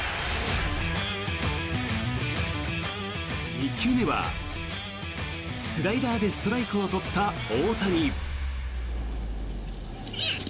１球目はスライダーでストライクを取った大谷。